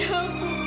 kau mau apain